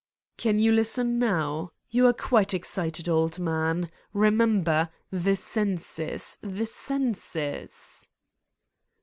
"Can you listen now? You are quite excited, old man. Eemember: the senses, the Senses